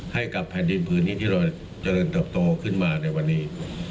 ให้กับแผ่นดินพื้นที่ที่เราเจริญเติบโตขึ้นมาในวันนี้